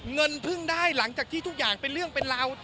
เงินเพิ่งได้หลังจากที่ทุกอย่างเป็นเรื่องเป็นราว